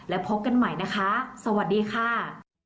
แล้วพบกันใหม่นะคะสวัสดีค่ะ